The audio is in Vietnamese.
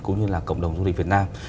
cũng như là cộng đồng du lịch việt nam